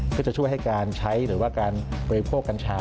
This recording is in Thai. ก็จะช่วยให้การใช้หรือว่าการบริโภคกัญชา